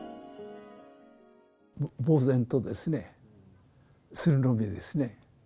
ぼう然とですね、するのみですね。